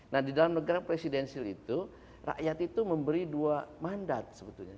nah di dalam negara presidensil itu rakyat itu memberi dua mandat sebetulnya